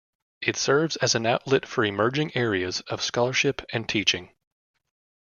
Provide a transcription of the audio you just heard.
It serves as an outlet for emerging areas of scholarship and teaching.